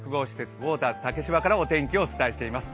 ウォーターズ竹芝からお伝えしていきます。